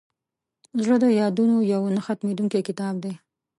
زړه د یادونو یو نه ختمېدونکی کتاب دی.